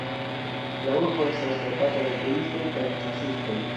La urbo estas ŝatata de turistoj kaj ĉasistoj.